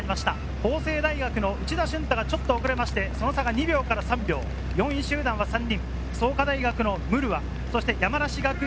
法政大学の内田隼太がちょっと遅れて、その差が２秒から３秒、４位集団は３人。